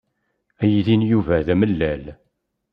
Aydi n Yuba d amellal.